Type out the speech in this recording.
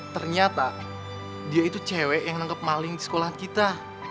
ternyata dia itu cewek yang nangkep maling di sekolah kita